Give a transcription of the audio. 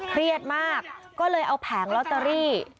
เครียดมากก็เลยเอาแผงลอตเตอรี่